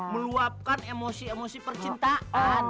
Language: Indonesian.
meluapkan emosi emosi percintaan